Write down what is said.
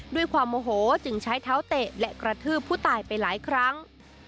ด้วยความโมโหจึงใช้เท้าเตะและกระทืบผู้ตายไปหลายครั้ง